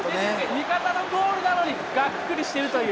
味方のゴールなのに、がっくりしてるという。